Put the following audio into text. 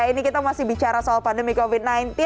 ini kita masih bicara soal pandemi covid sembilan belas